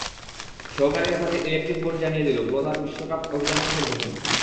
সহকারী রেফারির electric board জানিয়ে দিল ক্লোসার বিশ্বকাপ অভিযান শেষের ঘোষণা।